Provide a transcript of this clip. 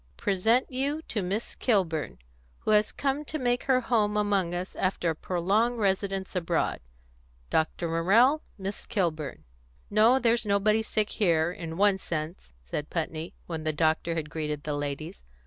Present you to Miss Kilburn, who has come to make her home among us after a prolonged residence abroad. Dr. Morrell, Miss Kilburn." "No, there's nobody sick here, in one sense," said Putney, when the doctor had greeted the ladies.